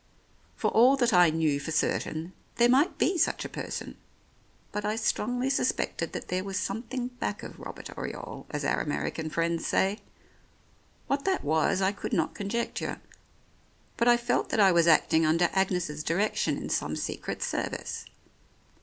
90 The Oriolists For all that I knew for certain there might be such a person ; but I strongly suspected that there was something "back of" Robert Oriole, as our American friends say. What that was I could not conjecture, but I felt that I was acting under Agnes's direction in some Secret Service.